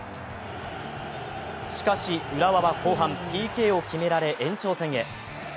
しかし、浦和は後半ＰＫを決められ延長線へ。